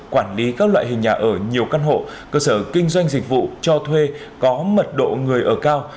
quản lý các loại hình nhà ở nhiều căn hộ cơ sở kinh doanh dịch vụ cho thuê có mật độ người ở cao